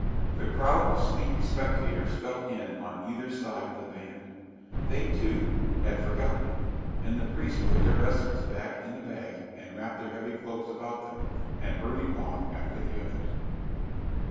The crowd of sleepy spectators fell in on either side of the band. They, too, had forgotten it, and the priests put their vestments back in the bag and wrapped their heavy cloaks about them, and hurried off after the others.